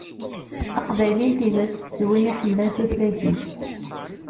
Aqbayli n tidet d win iḥemmlen tutlayt-is.